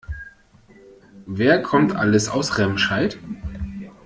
Wer kommt alles aus Remscheid?